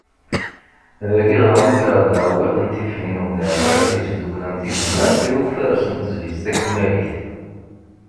Dagi dɣa mmugreɣ-d aɛewwiq n tifin n umdan ara d-yesdakklen tizemmar i ufares n tezlit takemmalit.